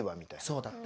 そうだった。